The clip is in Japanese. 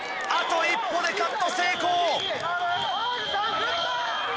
あと一歩でカット成功。